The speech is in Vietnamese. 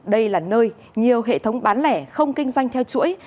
đây là nơi nhiều hệ thống bán lẻ không kinh doanh theo chuỗi